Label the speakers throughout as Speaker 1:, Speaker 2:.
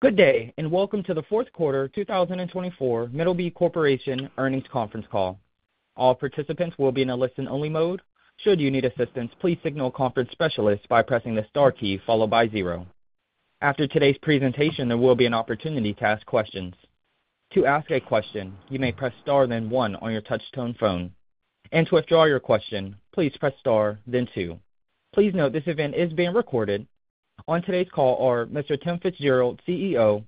Speaker 1: Good day, and welcome to the fourth quarter 2024 Middleby Corporation Earnings Conference Call. All participants will be in a listen-only mode. Should you need assistance, please signal conference specialist by pressing the star key followed by zero. After today's presentation, there will be an opportunity to ask questions. To ask a question, you may press star then one on your touch-tone phone, and to withdraw your question, please press star then two. Please note this event is being recorded. On today's call are Mr. Tim Fitzgerald, CEO;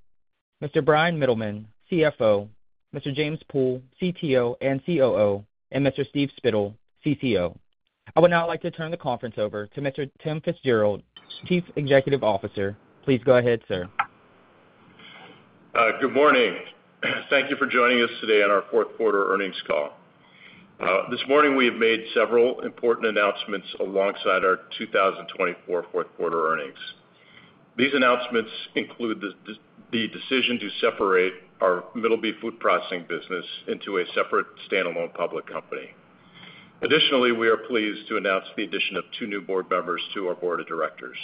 Speaker 1: Mr. Bryan Mittelman, CFO; Mr. James Pool, CTO and COO; and Mr. Steve Spittle, CCO. I would now like to turn the conference over to Mr. Tim Fitzgerald, Chief Executive Officer. Please go ahead, sir.
Speaker 2: Good morning. Thank you for joining us today on our fourth quarter earnings call. This morning, we have made several important announcements alongside our 2024 fourth quarter earnings. These announcements include the decision to separate our Middleby Food Processing business into a separate standalone public company. Additionally, we are pleased to announce the addition of two new board members to our board of directors.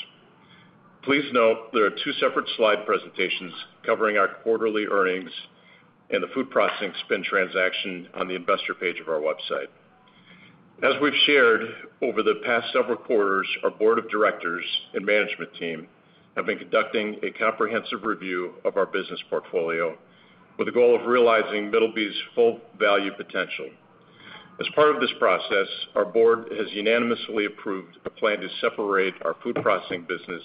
Speaker 2: Please note there are two separate slide presentations covering our quarterly earnings and the food processing spin-off on the investor page of our website. As we've shared, over the past several quarters, our board of directors and management team have been conducting a comprehensive review of our business portfolio with the goal of realizing Middleby's full value potential. As part of this process, our board has unanimously approved a plan to separate our food processing business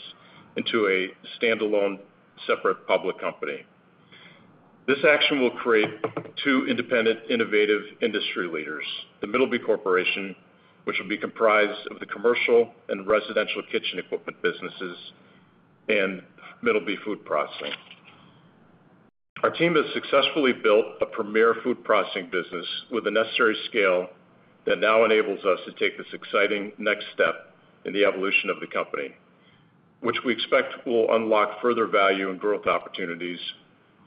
Speaker 2: into a standalone separate public company. This action will create two independent innovative industry leaders: the Middleby Corporation, which will be comprised of the commercial and residential kitchen equipment businesses, and Middleby Food Processing. Our team has successfully built a premier food processing business with the necessary scale that now enables us to take this exciting next step in the evolution of the company, which we expect will unlock further value and growth opportunities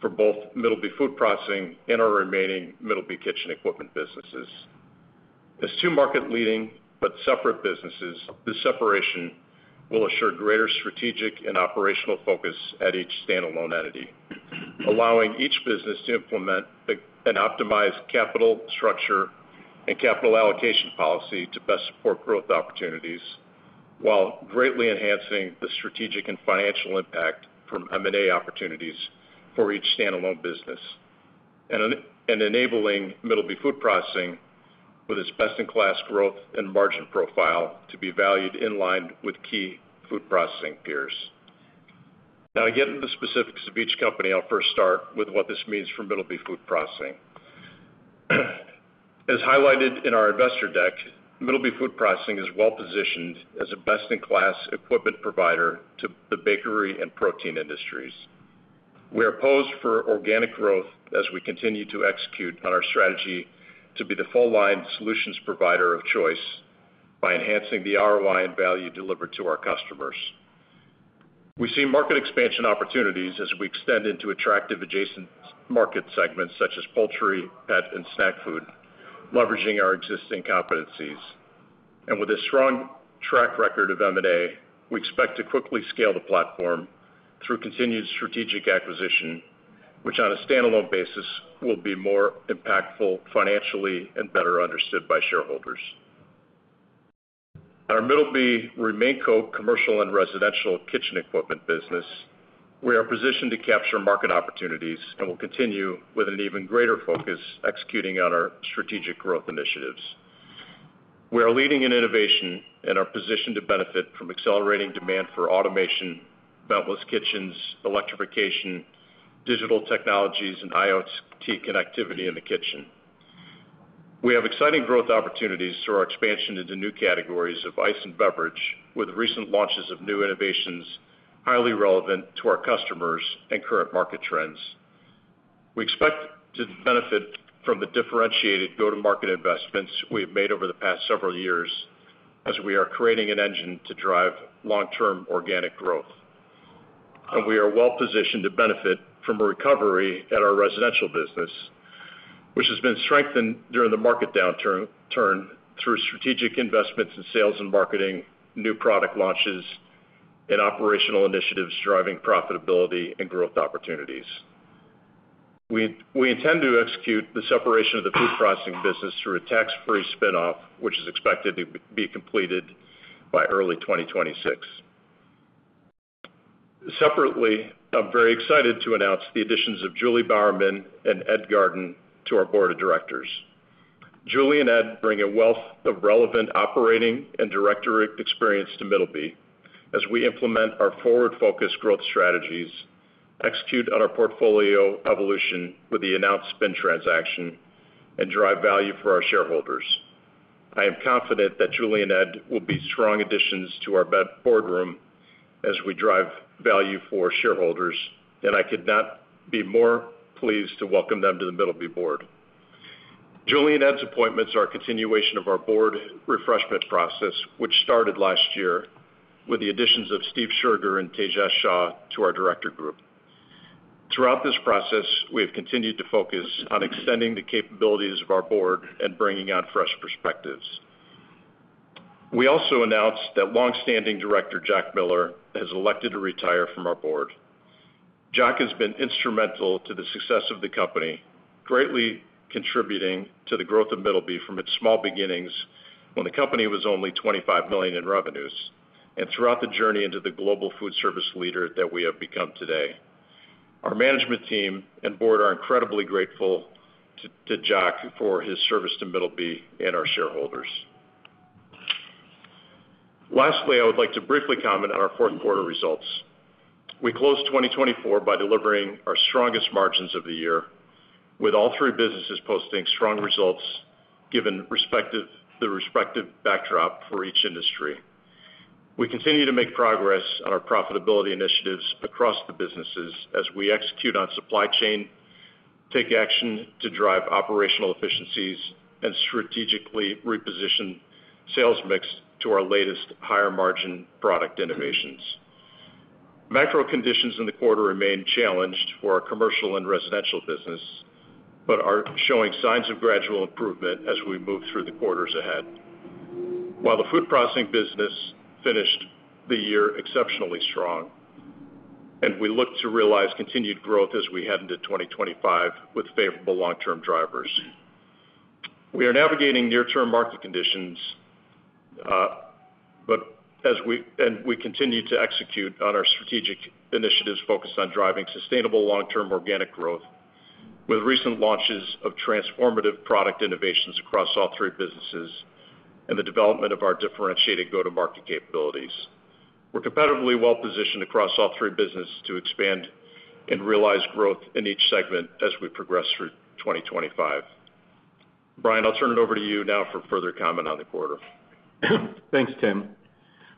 Speaker 2: for both Middleby Food Processing and our remaining Middleby kitchen equipment businesses. As two market-leading but separate businesses, this separation will assure greater strategic and operational focus at each standalone entity, allowing each business to implement an optimized capital structure and capital allocation policy to best support growth opportunities while greatly enhancing the strategic and financial impact from M&A opportunities for each standalone business, and enabling Middleby Food Processing with its best-in-class growth and margin profile to be valued in line with key food processing peers. Now, to get into the specifics of each company, I'll first start with what this means for Middleby Food Processing. As highlighted in our investor deck, Middleby Food Processing is well-positioned as a best-in-class equipment provider to the bakery and protein industries. We are poised for organic growth as we continue to execute on our strategy to be the full-line solutions provider of choice by enhancing the ROI and value delivered to our customers. We see market expansion opportunities as we extend into attractive adjacent market segments such as poultry, pet, and snack food, leveraging our existing competencies, and with a strong track record of M&A, we expect to quickly scale the platform through continued strategic acquisition, which on a standalone basis will be more impactful financially and better understood by shareholders. At our Middleby Residential commercial and residential kitchen equipment business, we are positioned to capture market opportunities and will continue with an even greater focus executing on our strategic growth initiatives. We are leading in innovation and are positioned to benefit from accelerating demand for automation, ventless kitchens, electrification, digital technologies, and IoT connectivity in the kitchen. We have exciting growth opportunities through our expansion into new categories of ice and beverage, with recent launches of new innovations highly relevant to our customers and current market trends. We expect to benefit from the differentiated go-to-market investments we have made over the past several years as we are creating an engine to drive long-term organic growth. And we are well-positioned to benefit from a recovery at our residential business, which has been strengthened during the market downturn through strategic investments in sales and marketing, new product launches, and operational initiatives driving profitability and growth opportunities. We intend to execute the separation of the food processing business through a tax-free spin-off, which is expected to be completed by early 2026. Separately, I'm very excited to announce the additions of Julie Bowerman and Ed Garden to our board of directors. Julie and Ed bring a wealth of relevant operating and director experience to Middleby as we implement our forward-focused growth strategies, execute on our portfolio evolution with the announced spin-off transaction, and drive value for our shareholders. I am confident that Julie and Ed will be strong additions to our boardroom as we drive value for shareholders, and I could not be more pleased to welcome them to the Middleby board. Julie and Ed's appointments are a continuation of our board refreshment process, which started last year with the additions of Steve Spittle and Tejas Shah to our director group. Throughout this process, we have continued to focus on extending the capabilities of our board and bringing on fresh perspectives. We also announced that longstanding director Jack Miller has elected to retire from our board. Jack has been instrumental to the success of the company, greatly contributing to the growth of Middleby from its small beginnings when the company was only $25 million in revenues and throughout the journey into the global food service leader that we have become today. Our management team and board are incredibly grateful to Jack for his service to Middleby and our shareholders. Lastly, I would like to briefly comment on our fourth quarter results. We closed 2024 by delivering our strongest margins of the year, with all three businesses posting strong results given the respective backdrop for each industry. We continue to make progress on our profitability initiatives across the businesses as we execute on supply chain, take action to drive operational efficiencies, and strategically reposition sales mix to our latest higher-margin product innovations. Macro conditions in the quarter remain challenged for our commercial and residential business, but are showing signs of gradual improvement as we move through the quarters ahead. While the food processing business finished the year exceptionally strong, and we look to realize continued growth as we head into 2025 with favorable long-term drivers. We are navigating near-term market conditions, and we continue to execute on our strategic initiatives focused on driving sustainable long-term organic growth with recent launches of transformative product innovations across all three businesses and the development of our differentiated go-to-market capabilities. We're competitively well-positioned across all three businesses to expand and realize growth in each segment as we progress through 2025. Bryan, I'll turn it over to you now for further comment on the quarter.
Speaker 3: Thanks, Tim.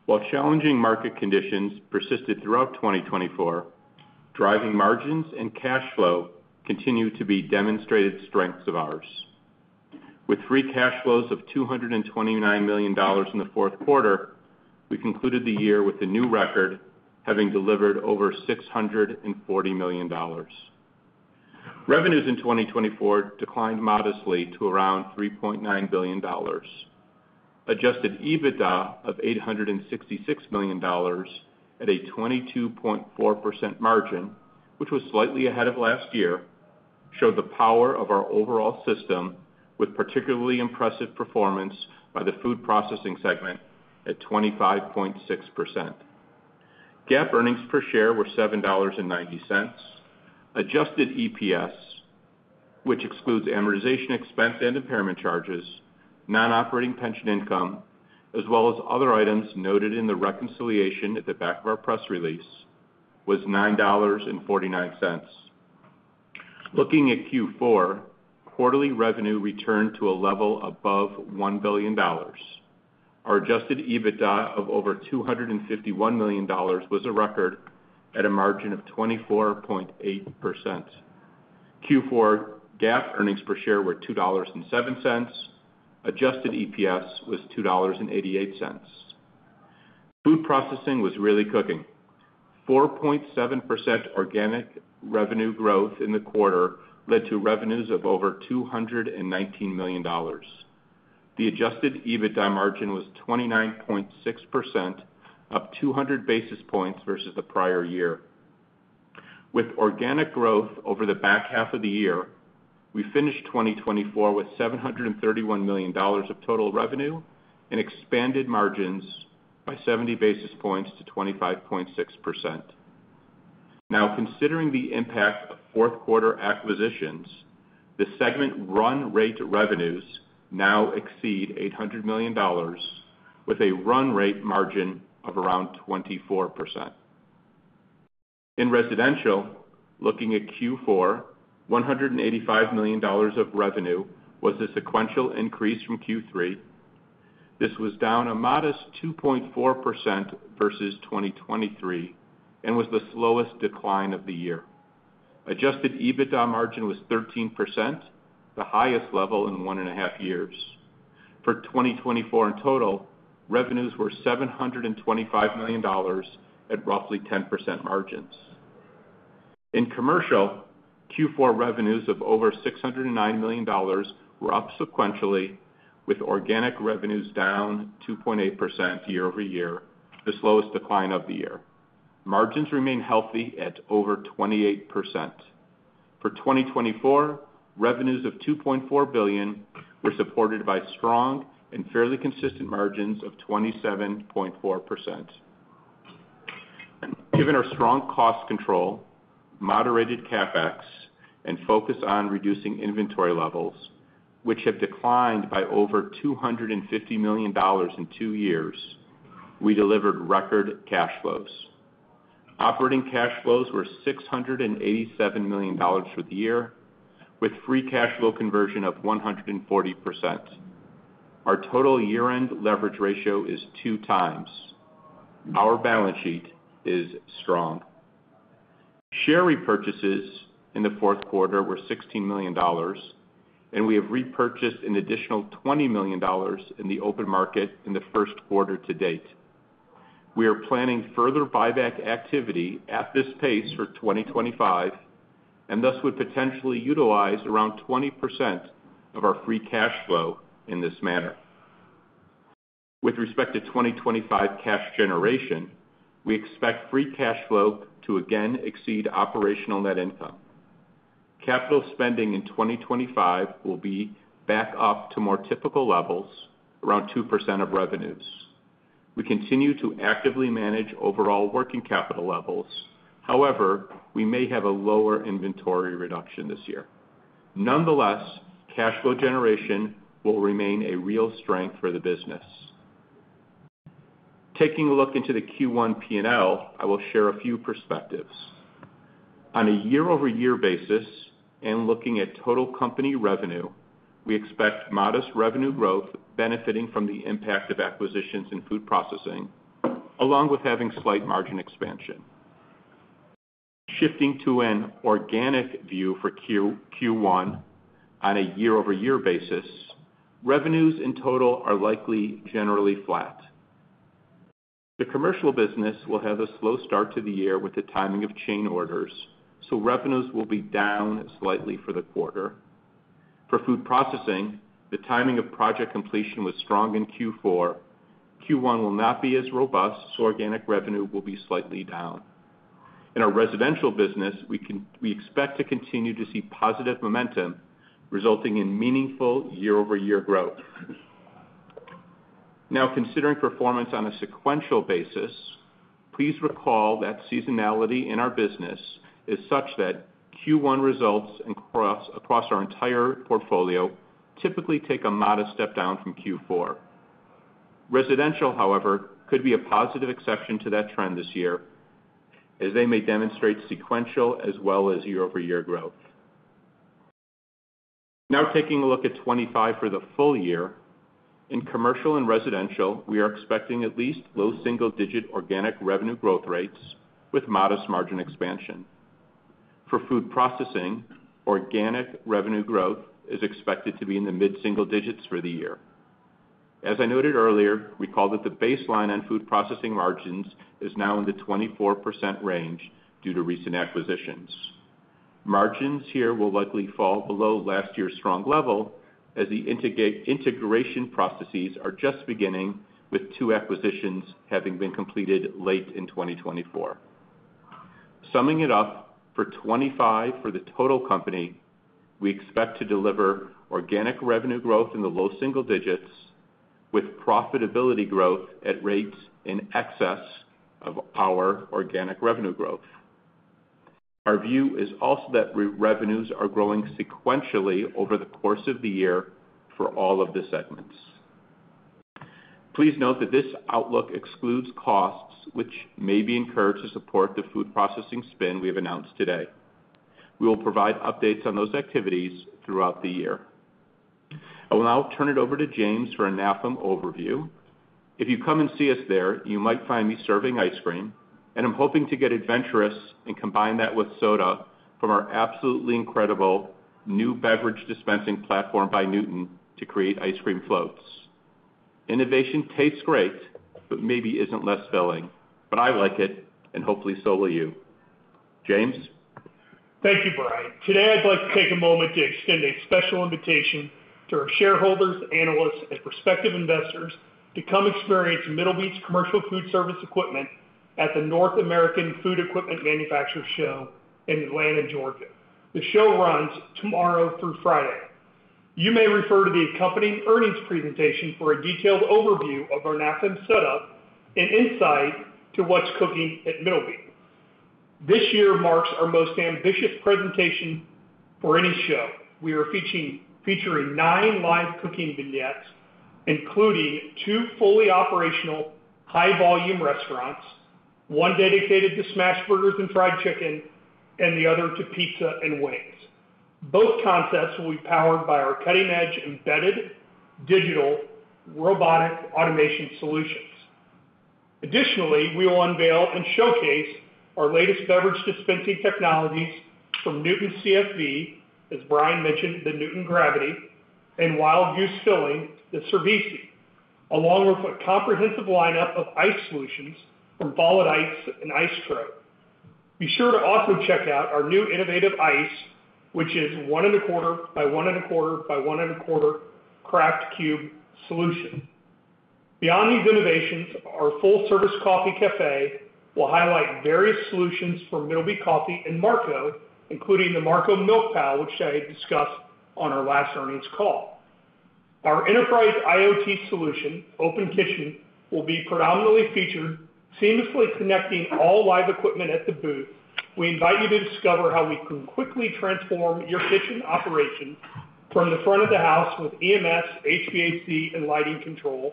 Speaker 3: While challenging market conditions persisted throughout 2024, driving margins and cash flow continued to be demonstrated strengths of ours. With free cash flows of $229 million in the fourth quarter, we concluded the year with a new record, having delivered over $640 million. Revenues in 2024 declined modestly to around $3.9 billion. Adjusted EBITDA of $866 million at a 22.4% margin, which was slightly ahead of last year, showed the power of our overall system with particularly impressive performance by the food processing segment at 25.6%. GAAP earnings per share were $7.90. Adjusted EPS, which excludes amortization expense and impairment charges, non-operating pension income, as well as other items noted in the reconciliation at the back of our press release, was $9.49. Looking at Q4, quarterly revenue returned to a level above $1 billion. Our adjusted EBITDA of over $251 million was a record at a margin of 24.8%. Q4 GAAP earnings per share were $2.07. Adjusted EPS was $2.88. Food processing was really cooking. 4.7% organic revenue growth in the quarter led to revenues of over $219 million. The adjusted EBITDA margin was 29.6%, up 200 basis points versus the prior year. With organic growth over the back half of the year, we finished 2024 with $731 million of total revenue and expanded margins by 70 basis points to 25.6%. Now, considering the impact of fourth quarter acquisitions, the segment run rate revenues now exceed $800 million, with a run rate margin of around 24%. In residential, looking at Q4, $185 million of revenue was a sequential increase from Q3. This was down a modest 2.4% versus 2023 and was the slowest decline of the year. Adjusted EBITDA margin was 13%, the highest level in one and a half years. For 2024 in total, revenues were $725 million at roughly 10% margins. In commercial, Q4 revenues of over $609 million were up sequentially, with organic revenues down 2.8% year over year, the slowest decline of the year. Margins remained healthy at over 28%. For 2024, revenues of $2.4 billion were supported by strong and fairly consistent margins of 27.4%. Given our strong cost control, moderated CapEx, and focus on reducing inventory levels, which have declined by over $250 million in two years, we delivered record cash flows. Operating cash flows were $687 million for the year, with free cash flow conversion of 140%. Our total year-end leverage ratio is two times. Our balance sheet is strong. Share repurchases in the fourth quarter were $16 million, and we have repurchased an additional $20 million in the open market in the first quarter to date. We are planning further buyback activity at this pace for 2025 and thus would potentially utilize around 20% of our free cash flow in this manner. With respect to 2025 cash generation, we expect free cash flow to again exceed operational net income. Capital spending in 2025 will be back up to more typical levels, around 2% of revenues. We continue to actively manage overall working capital levels. However, we may have a lower inventory reduction this year. Nonetheless, cash flow generation will remain a real strength for the business. Taking a look into the Q1 P&L, I will share a few perspectives. On a year-over-year basis and looking at total company revenue, we expect modest revenue growth benefiting from the impact of acquisitions in food processing, along with having slight margin expansion. Shifting to an organic view for Q1 on a year-over-year basis, revenues in total are likely generally flat. The commercial business will have a slow start to the year with the timing of chain orders, so revenues will be down slightly for the quarter. For food processing, the timing of project completion was strong in Q4. Q1 will not be as robust, so organic revenue will be slightly down. In our residential business, we expect to continue to see positive momentum resulting in meaningful year-over-year growth. Now, considering performance on a sequential basis, please recall that seasonality in our business is such that Q1 results across our entire portfolio typically take a modest step down from Q4. Residential, however, could be a positive exception to that trend this year, as they may demonstrate sequential as well as year-over-year growth. Now, taking a look at 2025 for the full year, in commercial and residential, we are expecting at least low single-digit organic revenue growth rates with modest margin expansion. For food processing, organic revenue growth is expected to be in the mid-single digits for the year. As I noted earlier, we called that the baseline on food processing margins is now in the 24% range due to recent acquisitions. Margins here will likely fall below last year's strong level as the integration processes are just beginning, with two acquisitions having been completed late in 2024. Summing it up, for 2025 for the total company, we expect to deliver organic revenue growth in the low single digits, with profitability growth at rates in excess of our organic revenue growth. Our view is also that revenues are growing sequentially over the course of the year for all of the segments. Please note that this outlook excludes costs, which may be incurred to support the food processing spin we have announced today. We will provide updates on those activities throughout the year. I will now turn it over to James for a NAFEM overview. If you come and see us there, you might find me serving ice cream, and I'm hoping to get adventurous and combine that with soda from our absolutely incredible new beverage dispensing platform by Newton to create ice cream floats. Innovation tastes great, but maybe isn't less filling. But I like it, and hopefully so will you. James.
Speaker 4: Thank you, Bryan. Today, I'd like to take a moment to extend a special invitation to our shareholders, analysts, and prospective investors to come experience Middleby's commercial food service equipment at the NAFEM Show in Atlanta, Georgia. The show runs tomorrow through Friday. You may refer to the accompanying earnings presentation for a detailed overview of our NAFEM setup and insight to what's cooking at Middleby. This year marks our most ambitious presentation for any show. We are featuring nine live cooking vignettes, including two fully operational high-volume restaurants, one dedicated to smash burgers and fried chicken, and the other to pizza and wings. Both concepts will be powered by our cutting-edge embedded digital robotic automation solutions. Additionally, we will unveil and showcase our latest beverage dispensing technologies from Newton CFV, as Bryan mentioned, the Newton Gravity, and Wild Goose Filling, the Cervisi, along with a comprehensive lineup of ice solutions from Follett Ice and Icetro. Be sure to also check out our new innovative ice, which is one and a quarter by one and a quarter by one and a quarter craft cube solution. Beyond these innovations, our full-service coffee café will highlight various solutions for Middleby Coffee and Marco, including the Marco Milk Pal, which I discussed on our last earnings call. Our enterprise IoT solution, Open Kitchen, will be predominantly featured, seamlessly connecting all live equipment at the booth. We invite you to discover how we can quickly transform your kitchen operation from the front of the house with EMS, HVAC, and lighting control,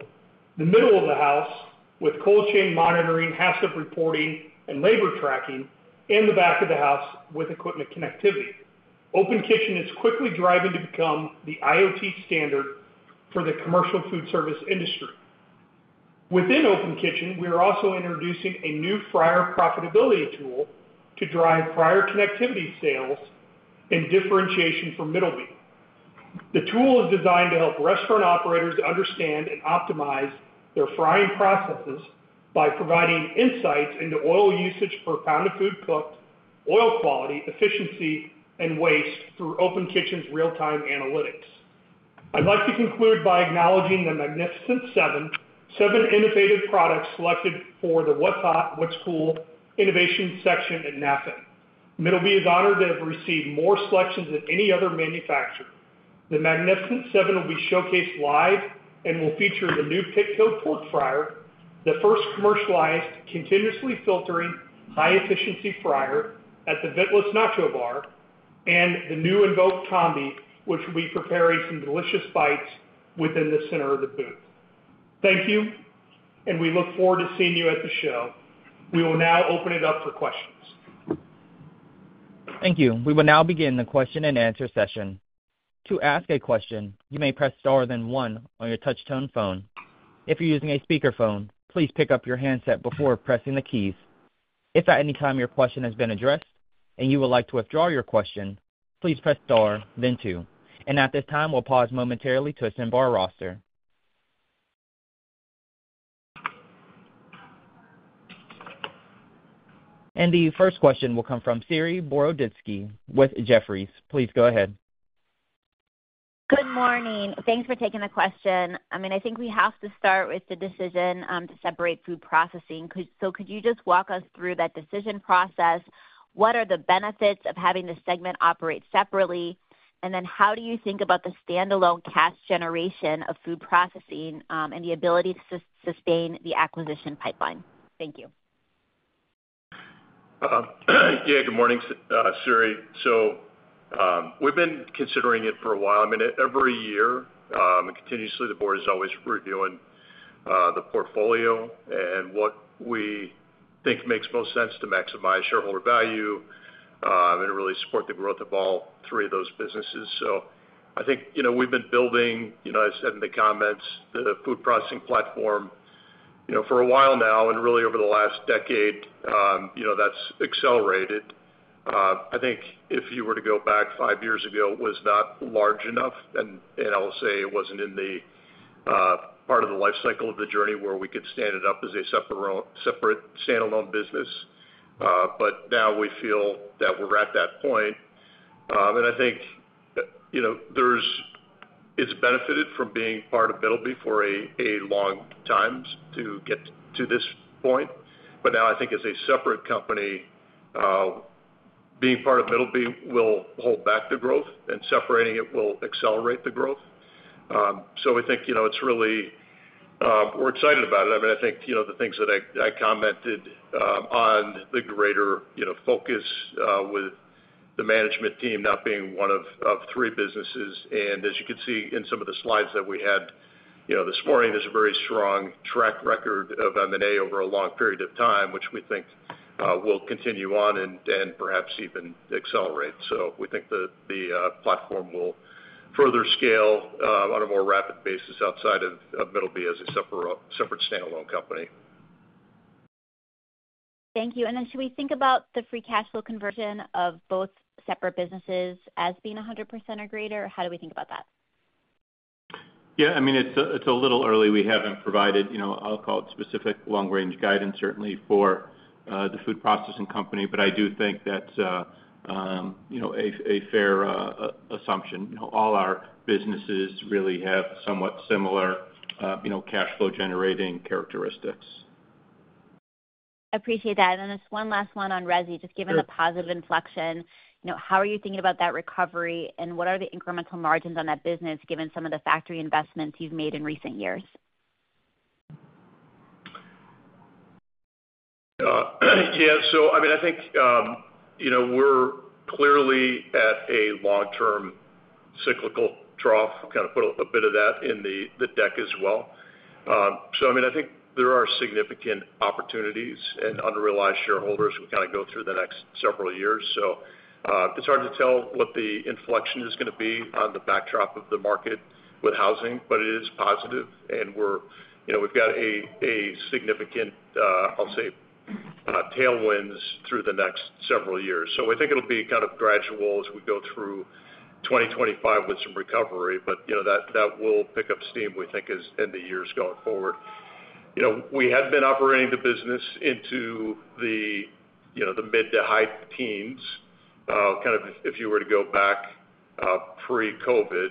Speaker 4: the middle of the house with cold chain monitoring, passive reporting, and labor tracking, and the back of the house with equipment connectivity. Open Kitchen is quickly driving to become the IoT standard for the commercial food service industry. Within Open Kitchen, we are also introducing a new fryer profitability tool to drive fryer connectivity sales and differentiation for Middleby. The tool is designed to help restaurant operators understand and optimize their frying processes by providing insights into oil usage per pound of food cooked, oil quality, efficiency, and waste through Open Kitchen's real-time analytics. I'd like to conclude by acknowledging the magnificent seven, seven innovative products selected for the What's Hot, What's Cool innovation section at NAFEM. Middleby is honored to have received more selections than any other manufacturer. The magnificent seven will be showcased live and will feature the new Pitco TorQ fryer, the first commercialized continuously filtering high-efficiency fryer at the Ventless Nacho Bar, and the new Invoq combi, which will be preparing some delicious bites within the center of the booth. Thank you, and we look forward to seeing you at the show. We will now open it up for questions.
Speaker 1: Thank you. We will now begin the question and answer session. To ask a question, you may press star then one on your touch-tone phone. If you're using a speakerphone, please pick up your handset before pressing the keys. If at any time your question has been addressed and you would like to withdraw your question, please press star, then two. And at this time, we'll pause momentarily to assemble our roster. And the first question will come from Saree Boroditsky with Jefferies. Please go ahead.
Speaker 5: Good morning. Thanks for taking the question. I mean, I think we have to start with the decision to separate food processing. So could you just walk us through that decision process? What are the benefits of having the segment operate separately? And then how do you think about the standalone cash generation of food processing and the ability to sustain the acquisition pipeline? Thank you.
Speaker 2: Yeah, good morning, Saree. So we've been considering it for a while. I mean, every year and continuously, the board is always reviewing the portfolio and what we think makes most sense to maximize shareholder value and really support the growth of all three of those businesses. So I think we've been building, as I said in the comments, the food processing platform for a while now, and really over the last decade, that's accelerated. I think if you were to go back five years ago, it was not large enough, and I'll say it wasn't in the part of the life cycle of the journey where we could stand it up as a separate standalone business. But now we feel that we're at that point. And I think it's benefited from being part of Middleby for a long time to get to this point. But now I think as a separate company, being part of Middleby will hold back the growth, and separating it will accelerate the growth. So we think it's really we're excited about it. I mean, I think the things that I commented on the greater focus with the management team now being one of three businesses. And as you can see in some of the slides that we had this morning, there's a very strong track record of M&A over a long period of time, which we think will continue on and perhaps even accelerate. So we think the platform will further scale on a more rapid basis outside of Middleby as a separate standalone company.
Speaker 5: Thank you. And then should we think about the free cash flow conversion of both separate businesses as being 100% or greater? How do we think about that?
Speaker 3: Yeah, I mean, it's a little early. We haven't provided, I'll call it specific, long-range guidance, certainly, for the food processing company. But I do think that's a fair assumption. All our businesses really have somewhat similar cash flow generating characteristics.
Speaker 5: Appreciate that. And then just one last one on Rezi, just given the positive inflection. How are you thinking about that recovery, and what are the incremental margins on that business given some of the factory investments you've made in recent years?
Speaker 2: Yeah. So I mean, I think we're clearly at a long-term cyclical trough. I've kind of put a bit of that in the deck as well. So I mean, I think there are significant opportunities for under-realized shareholders who kind of go through the next several years. So it's hard to tell what the inflection is going to be on the backdrop of the market with housing, but it is positive, and we've got a significant, I'll say, tailwinds through the next several years. So I think it'll be kind of gradual as we go through 2025 with some recovery, but that will pick up steam, we think, as the years go forward. We had been operating the business into the mid- to high-teens, kind of if you were to go back pre-COVID.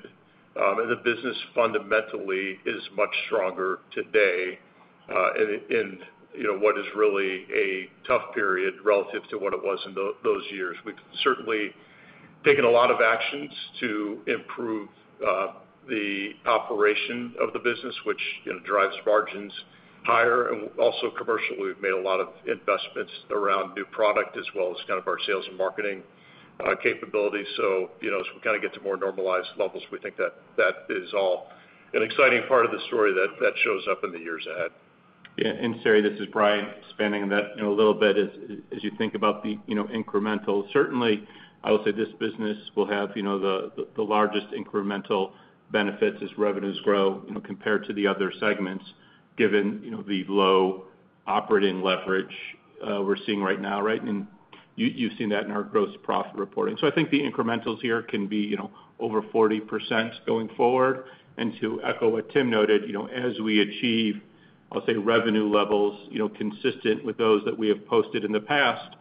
Speaker 2: The business fundamentally is much stronger today in what is really a tough period relative to what it was in those years. We've certainly taken a lot of actions to improve the operation of the business, which drives margins higher. Also commercially, we've made a lot of investments around new product as well as kind of our sales and marketing capabilities. As we kind of get to more normalized levels, we think that that is all an exciting part of the story that shows up in the years ahead.
Speaker 3: Yeah. And Saree, this is Bryan expanding that a little bit as you think about the incremental. Certainly, I will say this business will have the largest incremental benefits as revenues grow compared to the other segments, given the low operating leverage we're seeing right now. Right? And you've seen that in our gross profit reporting. So I think the incrementals here can be over 40% going forward. And to echo what Tim noted, as we achieve, I'll say, revenue levels consistent with those that we have posted in the past,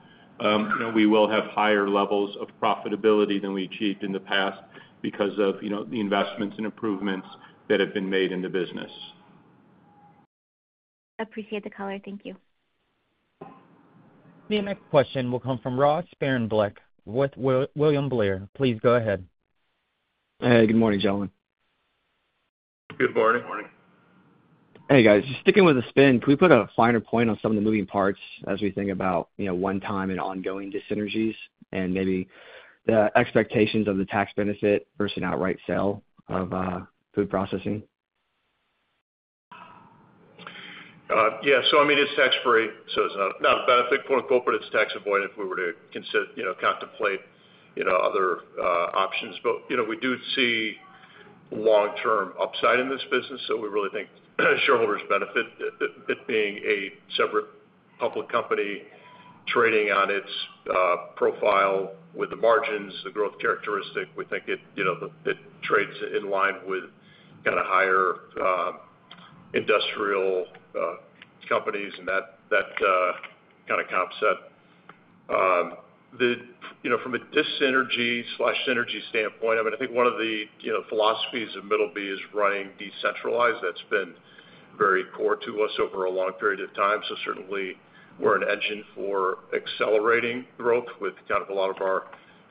Speaker 3: we will have higher levels of profitability than we achieved in the past because of the investments and improvements that have been made in the business.
Speaker 5: Appreciate the color. Thank you.
Speaker 1: The next question will come from Ross Sparenblek, William Blair. Please go ahead.
Speaker 6: Hey, good morning, gentlemen.
Speaker 2: Good morning.
Speaker 6: Hey, guys. Just sticking with the spin, can we put a finer point on some of the moving parts as we think about one-time and ongoing dyssynergies and maybe the expectations of the tax benefit versus an outright sale of food processing?
Speaker 2: Yeah. So I mean, it's tax-free, so it's not a benefit, quote-unquote, but it's tax-avoid if we were to contemplate other options. But we do see long-term upside in this business. So we really think shareholders benefit it being a separate public company trading on its profile with the margins, the growth characteristic. We think it trades in line with kind of higher industrial companies, and that kind of comp set. From a dyssynergy/synergy standpoint, I mean, I think one of the philosophies of Middleby is running decentralized. That's been very core to us over a long period of time. So certainly, we're an engine for accelerating growth with kind of a lot of our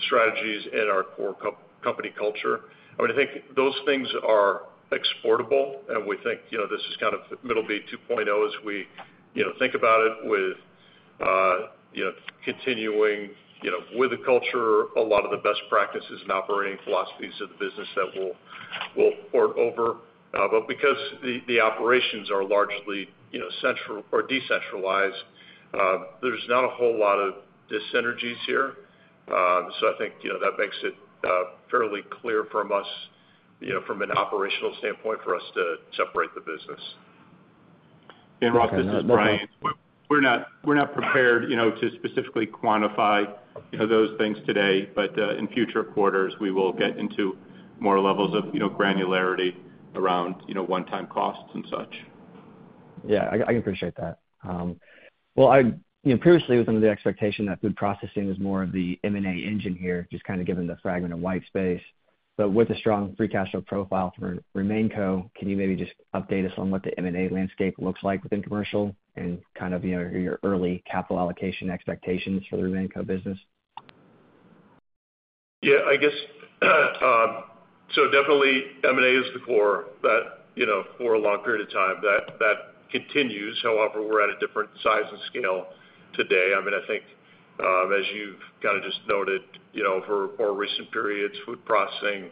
Speaker 2: strategies and our core company culture. I mean, I think those things are exportable, and we think this is kind of Middleby 2.0 as we think about it with continuing with the culture, a lot of the best practices and operating philosophies of the business that we'll port over. But because the operations are largely centralized or decentralized, there's not a whole lot of dyssynergies here. So I think that makes it fairly clear for us from an operational standpoint to separate the business.
Speaker 3: Ross, this is Bryan. We're not prepared to specifically quantify those things today, but in future quarters, we will get into more levels of granularity around one-time costs and such.
Speaker 6: Yeah, I can appreciate that. Previously, it was under the expectation that food processing was more of the M&A engine here, just kind of given the fragmented white space. But with a strong free cash flow profile for Remainco, can you maybe just update us on what the M&A landscape looks like within commercial and kind of your early capital allocation expectations for the Remainco business?
Speaker 2: Yeah, I guess. So definitely, M&A is the core for a long period of time. That continues. However, we're at a different size and scale today. I mean, I think as you've kind of just noted, for more recent periods, food processing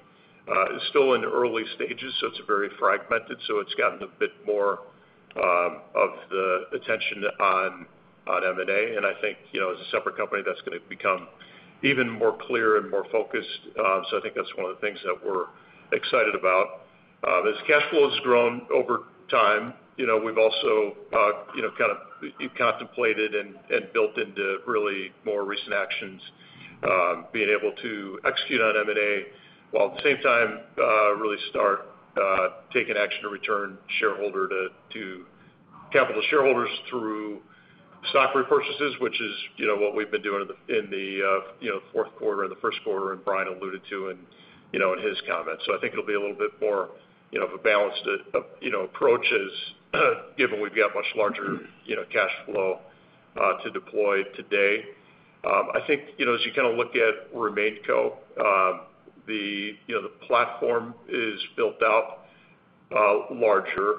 Speaker 2: is still in early stages, so it's very fragmented. So it's gotten a bit more of the attention on M&A. And I think as a separate company, that's going to become even more clear and more focused. So I think that's one of the things that we're excited about. As cash flow has grown over time, we've also kind of contemplated and built into really more recent actions being able to execute on M&A while at the same time really start taking action to return capital to shareholders through stock repurchases, which is what we've been doing in the fourth quarter and the first quarter, and Bryan alluded to in his comments. So I think it'll be a little bit more of a balanced approach given we've got much larger cash flow to deploy today. I think as you kind of look at Remainco, the platform is built out larger.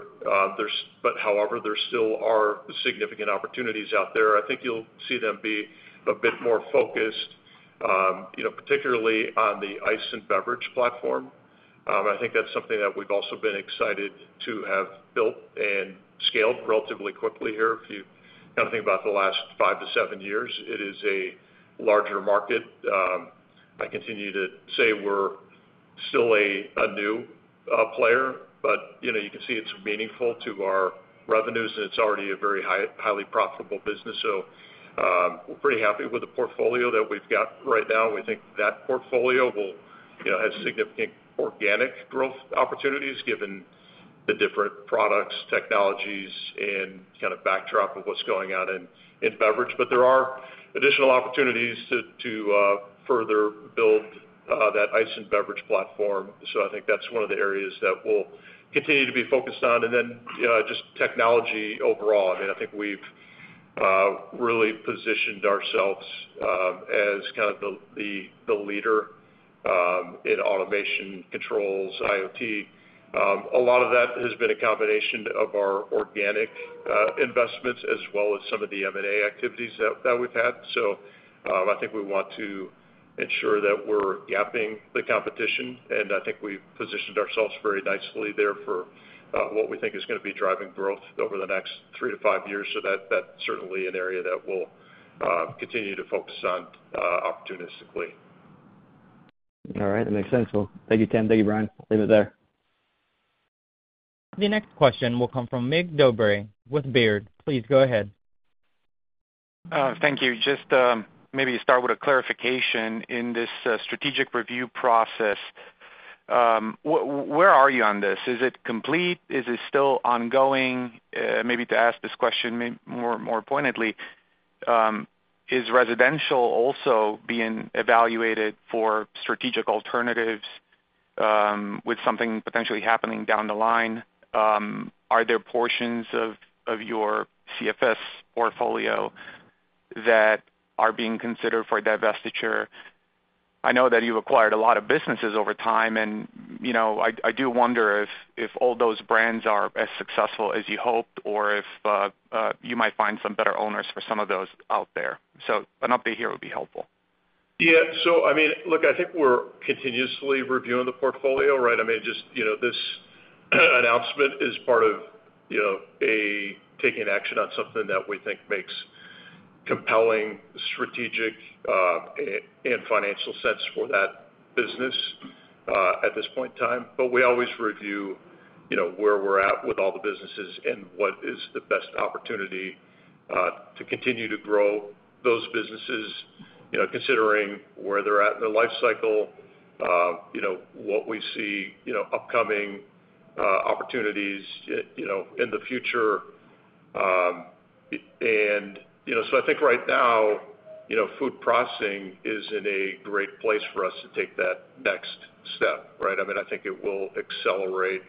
Speaker 2: But however, there still are significant opportunities out there. I think you'll see them be a bit more focused, particularly on the ice and beverage platform. I think that's something that we've also been excited to have built and scaled relatively quickly here. If you kind of think about the last five to seven years, it is a larger market. I continue to say we're still a new player, but you can see it's meaningful to our revenues, and it's already a very highly profitable business. So we're pretty happy with the portfolio that we've got right now. We think that portfolio has significant organic growth opportunities given the different products, technologies, and kind of backdrop of what's going on in beverage. But there are additional opportunities to further build that ice and beverage platform. So I think that's one of the areas that we'll continue to be focused on. And then just technology overall. I mean, I think we've really positioned ourselves as kind of the leader in automation controls, IoT. A lot of that has been a combination of our organic investments as well as some of the M&A activities that we've had. So I think we want to ensure that we're gapping the competition. And I think we've positioned ourselves very nicely there for what we think is going to be driving growth over the next three to five years. So that's certainly an area that we'll continue to focus on opportunistically.
Speaker 6: All right. That makes sense, well, thank you, Tim. Thank you, Bryan. I'll leave it there.
Speaker 1: The next question will come from Mircea Dobre with Baird. Please go ahead.
Speaker 7: Thank you. Just maybe start with a clarification. In this strategic review process, where are you on this? Is it complete? Is it still ongoing? Maybe to ask this question more pointedly, is residential also being evaluated for strategic alternatives with something potentially happening down the line? Are there portions of your CFS portfolio that are being considered for divestiture? I know that you've acquired a lot of businesses over time, and I do wonder if all those brands are as successful as you hoped or if you might find some better owners for some of those out there. So an update here would be helpful.
Speaker 2: Yeah. So I mean, look, I think we're continuously reviewing the portfolio. Right? I mean, just this announcement is part of taking action on something that we think makes compelling strategic and financial sense for that business at this point in time. But we always review where we're at with all the businesses and what is the best opportunity to continue to grow those businesses, considering where they're at in their life cycle, what we see upcoming opportunities in the future. And so I think right now, food processing is in a great place for us to take that next step. Right? I mean, I think it will accelerate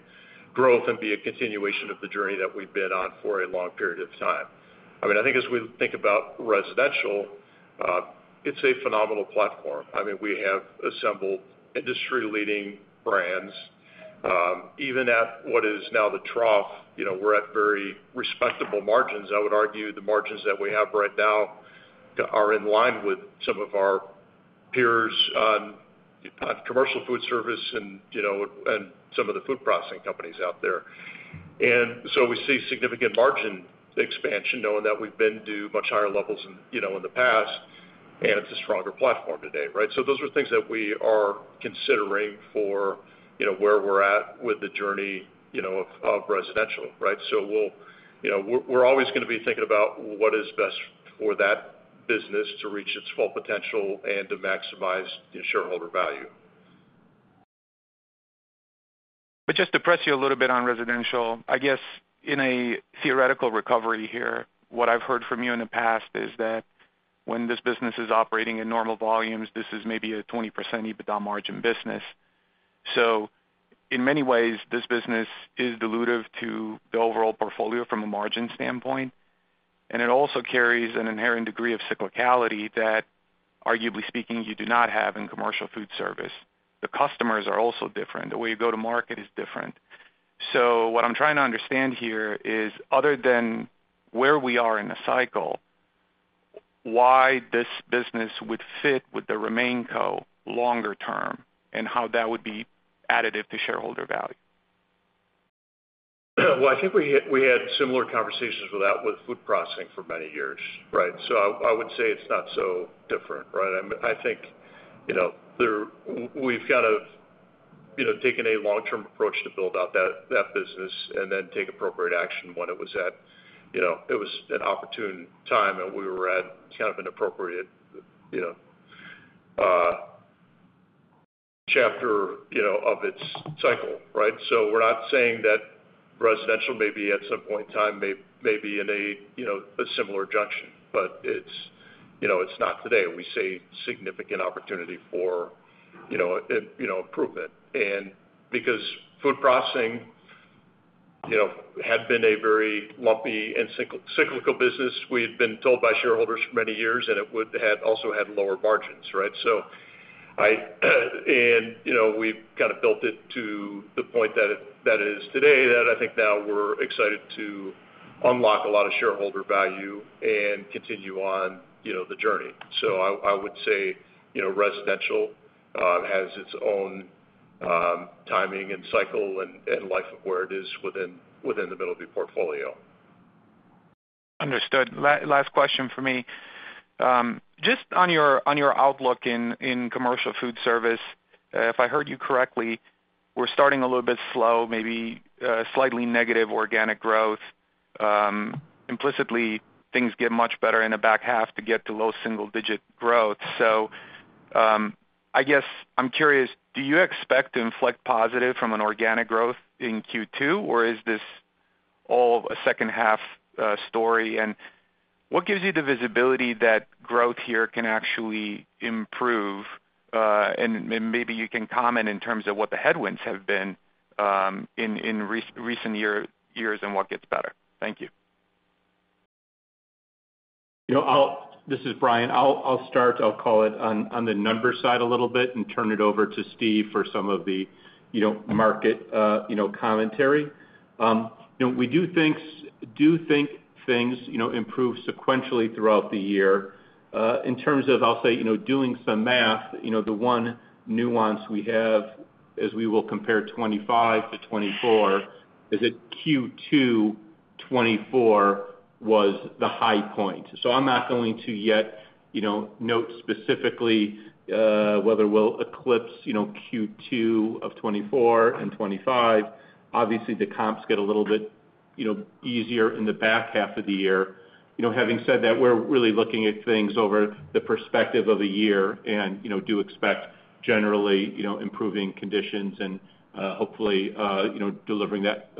Speaker 2: growth and be a continuation of the journey that we've been on for a long period of time. I mean, I think as we think about residential, it's a phenomenal platform. I mean, we have assembled industry-leading brands. Even at what is now the trough, we're at very respectable margins. I would argue the margins that we have right now are in line with some of our peers on commercial food service and some of the food processing companies out there. And so we see significant margin expansion, knowing that we've been to much higher levels in the past, and it's a stronger platform today. Right? So those are things that we are considering for where we're at with the journey of residential. Right? So we're always going to be thinking about what is best for that business to reach its full potential and to maximize shareholder value.
Speaker 7: But just to press you a little bit on residential, I guess in a theoretical recovery here, what I've heard from you in the past is that when this business is operating in normal volumes, this is maybe a 20% EBITDA margin business. So in many ways, this business is dilutive to the overall portfolio from a margin standpoint. And it also carries an inherent degree of cyclicality that, arguably speaking, you do not have in commercial food service. The customers are also different. The way you go to market is different. So what I'm trying to understand here is, other than where we are in the cycle, why this business would fit with the Remainco longer term and how that would be additive to shareholder value?
Speaker 2: I think we had similar conversations with that with food processing for many years. Right? So I would say it's not so different. Right? I think we've kind of taken a long-term approach to build out that business and then take appropriate action when it was an opportune time, and we were at kind of an appropriate chapter of its cycle. Right? So we're not saying that residential maybe at some point in time may be in a similar junction, but it's not today. We see significant opportunity for improvement. And because food processing had been a very lumpy and cyclical business, we had been told by shareholders for many years, and it had also had lower margins. Right? And we've kind of built it to the point that it is today that I think now we're excited to unlock a lot of shareholder value and continue on the journey. So I would say residential has its own timing and cycle and life of where it is within the Middleby portfolio.
Speaker 7: Understood. Last question for me. Just on your outlook in commercial food service, if I heard you correctly, we're starting a little bit slow, maybe slightly negative organic growth. Implicitly, things get much better in the back half to get to low single-digit growth. So I guess I'm curious, do you expect to inflect positive from an organic growth in Q2, or is this all a second-half story? And what gives you the visibility that growth here can actually improve? And maybe you can comment in terms of what the headwinds have been in recent years and what gets better. Thank you.
Speaker 3: This is Bryan. I'll start. I'll call it on the numbers side a little bit and turn it over to Steve for some of the market commentary. We do think things improve sequentially throughout the year. In terms of, I'll say, doing some math, the one nuance we have as we will compare 2025 to 2024 is that Q2 2024 was the high point. So I'm not going to yet note specifically whether we'll eclipse Q2 of 2024 and 2025. Obviously, the comps get a little bit easier in the back half of the year. Having said that, we're really looking at things over the perspective of a year and do expect generally improving conditions and hopefully delivering that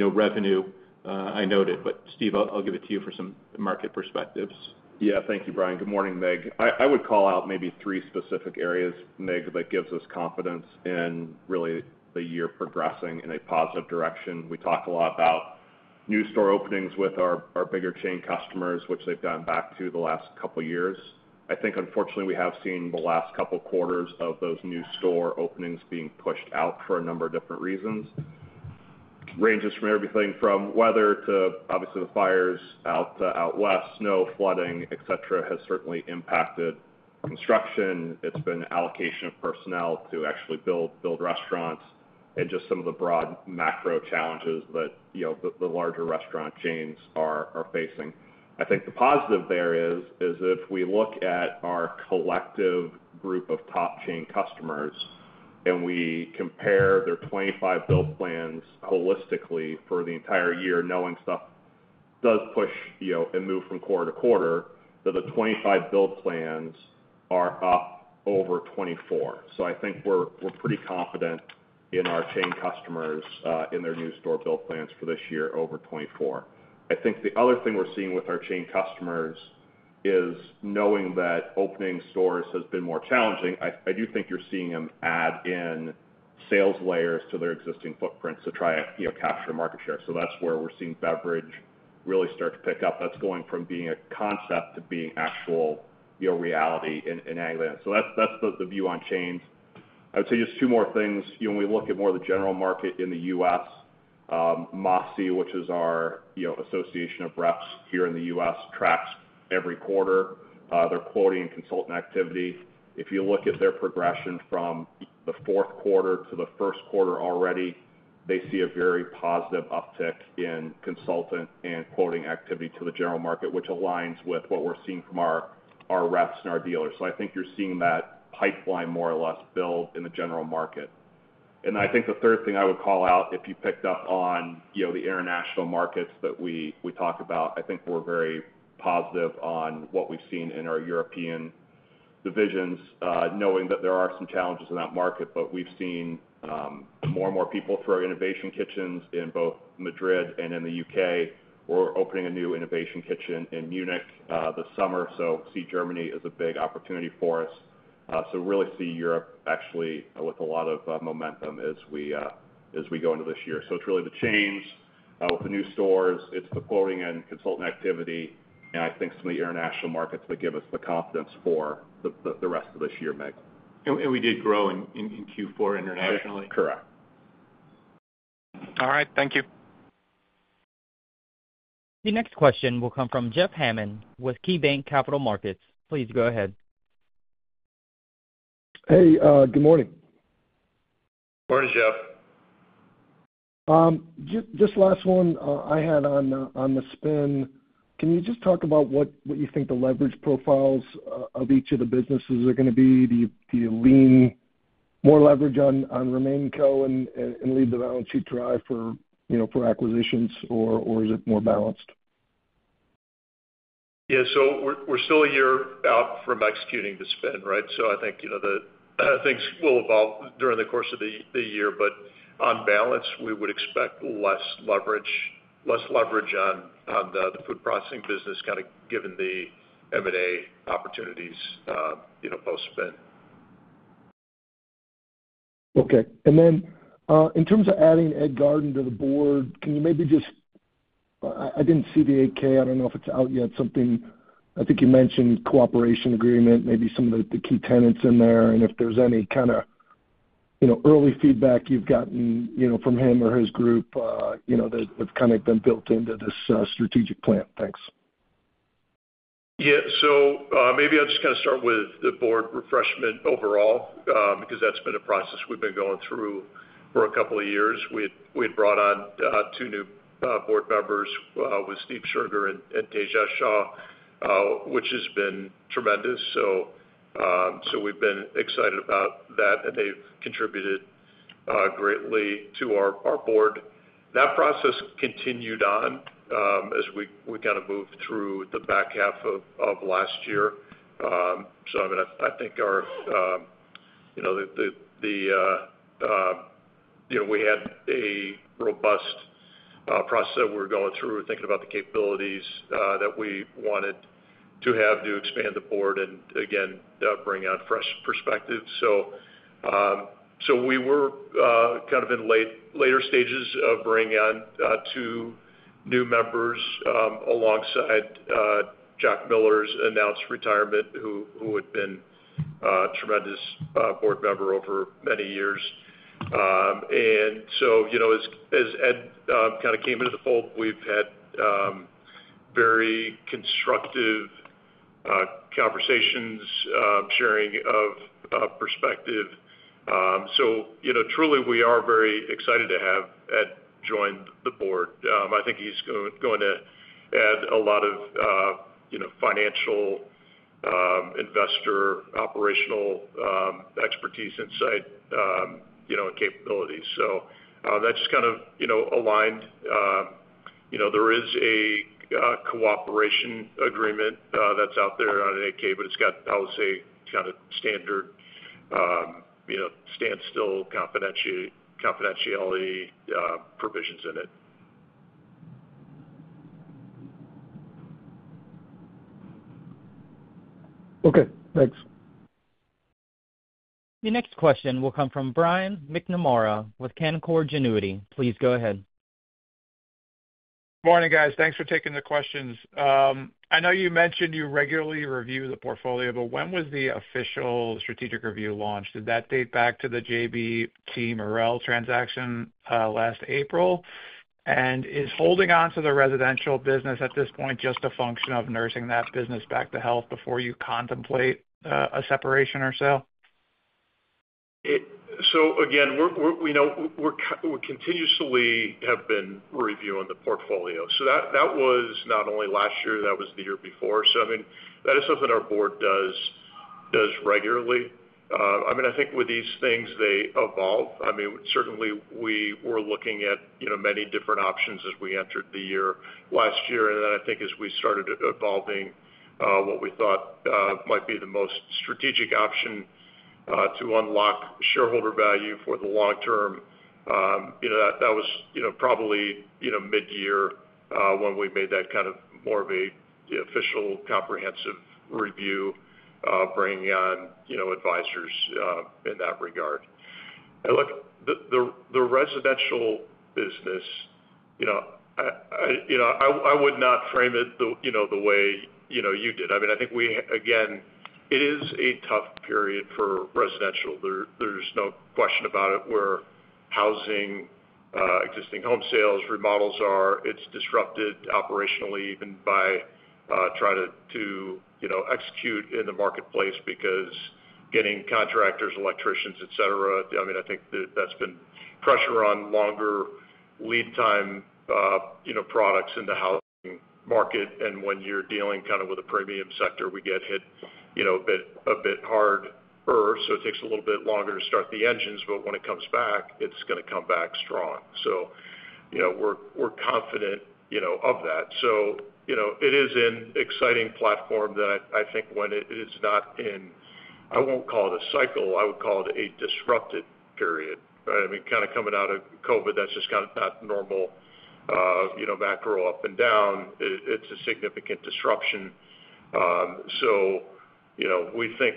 Speaker 3: revenue. I noted, but Steve, I'll give it to you for some market perspectives.
Speaker 8: Yeah. Thank you, Bryan. Good morning, Mirc. I would call out maybe three specific areas, Mirc, that gives us confidence in really the year progressing in a positive direction. We talk a lot about new store openings with our bigger chain customers, which they've done back to the last couple of years. I think, unfortunately, we have seen the last couple of quarters of those new store openings being pushed out for a number of different reasons. Ranges from everything from weather to, obviously, the fires out west, snow, flooding, etc., has certainly impacted construction. It's been allocation of personnel to actually build restaurants and just some of the broad macro challenges that the larger restaurant chains are facing. I think the positive there is if we look at our collective group of top chain customers and we compare their 2025 build plans holistically for the entire year, knowing stuff does push and move from quarter to quarter, that the 2025 build plans are up over 2024. So I think we're pretty confident in our chain customers in their new store build plans for this year over 2024. I think the other thing we're seeing with our chain customers is knowing that opening stores has been more challenging. I do think you're seeing them add in sales layers to their existing footprints to try to capture market share. So that's where we're seeing beverage really start to pick up. That's going from being a concept to being actual reality in ag land. So that's the view on chains. I would say just two more things. When we look at more of the general market in the U.S., MAFSI, which is our association of reps here in the U.S., tracks every quarter their quoting and consultant activity. If you look at their progression from the fourth quarter to the first quarter already, they see a very positive uptick in consultant and quoting activity to the general market, which aligns with what we're seeing from our reps and our dealers. So I think you're seeing that pipeline more or less build in the general market. And I think the third thing I would call out, if you picked up on the international markets that we talk about, I think we're very positive on what we've seen in our European divisions, knowing that there are some challenges in that market. But we've seen more and more people throw innovation kitchens in both Madrid and in the U.K. We're opening a new innovation kitchen in Munich this summer. We see Germany is a big opportunity for us. We really see Europe actually with a lot of momentum as we go into this year. It's really the chains with the new stores. It's the quoting and consulting activity. And I think some of the international markets would give us the confidence for the rest of this year, Mirc.
Speaker 3: We did grow in Q4 internationally.
Speaker 8: Correct.
Speaker 7: All right. Thank you.
Speaker 1: The next question will come from Jeff Hammond with KeyBanc Capital Markets. Please go ahead.
Speaker 9: Hey, good morning.
Speaker 2: Morning, Jeff.
Speaker 9: Just last one I had on the spin. Can you just talk about what you think the leverage profiles of each of the businesses are going to be? Do you lean more leverage on Remainco and leave the balance sheet dry for acquisitions, or is it more balanced?
Speaker 2: Yeah. So we're still a year out from executing the spin. Right? So I think things will evolve during the course of the year. But on balance, we would expect less leverage on the food processing business kind of given the M&A opportunities post-spin.
Speaker 9: Okay. And then in terms of adding Ed Garden to the board, can you maybe just, I didn't see the 8-K. I don't know if it's out yet. Something I think you mentioned cooperation agreement, maybe some of the key tenets in there. And if there's any kind of early feedback you've gotten from him or his group that's kind of been built into this strategic plan. Thanks.
Speaker 2: Yeah. So maybe I'll just kind of start with the board refreshment overall because that's been a process we've been going through for a couple of years. We had brought on two new board members with Steve Sugar and Tejas Shah which has been tremendous. So we've been excited about that, and they've contributed greatly to our board. That process continued on as we kind of moved through the back half of last year. So I mean, I think the, we had a robust process that we were going through, thinking about the capabilities that we wanted to have to expand the board and, again, bring on fresh perspectives. So we were kind of in later stages of bringing on two new members alongside Jack Miller's announced retirement, who had been a tremendous board member over many years. And so as Ed kind of came into the fold, we've had very constructive conversations, sharing of perspective. So truly, we are very excited to have Ed join the board. I think he's going to add a lot of financial, investor, operational expertise, insight, and capabilities. So that just kind of aligned. There is a cooperation agreement that's out there on an 8-K, but it's got, I would say, kind of standard standstill confidentiality provisions in it.
Speaker 9: Okay. Thanks.
Speaker 1: The next question will come from Brian McNamara with Canaccord Genuity. Please go ahead.
Speaker 10: Morning, guys. Thanks for taking the questions. I know you mentioned you regularly review the portfolio, but when was the official strategic review launched? Did that date back to the JBT Marel transaction last April? And is holding on to the residential business at this point just a function of nursing that business back to health before you contemplate a separation or so?
Speaker 2: Again, we continuously have been reviewing the portfolio. That was not only last year. That was the year before. I mean, that is something our board does regularly. I mean, I think with these things, they evolve. I mean, certainly, we were looking at many different options as we entered the year last year. And then I think as we started evolving what we thought might be the most strategic option to unlock shareholder value for the long term, that was probably mid-year when we made that kind of more of an official comprehensive review, bringing on advisors in that regard. Look, the residential business, I would not frame it the way you did. I mean, I think we, again, it is a tough period for residential. There's no question about it, where housing, existing home sales, remodels are disrupted operationally even by trying to execute in the marketplace because getting contractors, electricians, etc. I mean, I think that's been pressure on longer lead time products in the housing market, and when you're dealing kind of with a premium sector, we get hit a bit harder, so it takes a little bit longer to start the engines, but when it comes back, it's going to come back strong, so we're confident of that, so it is an exciting platform that I think when it is not in, I won't call it a cycle. I would call it a disrupted period. I mean, kind of coming out of COVID, that's just kind of that normal macro up and down. It's a significant disruption. So we think